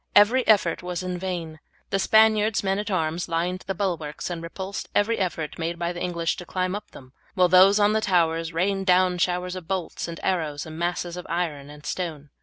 Every effort was in vain. The Spaniard's men at arms lined the bulwarks, and repulsed every effort made by the English to climb up them, while those on the towers rained down showers of bolts and arrows and masses of iron and stone.